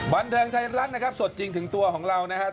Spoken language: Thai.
บันเทิงไทยรัฐนะครับสดจริงถึงตัวของเรานะครับ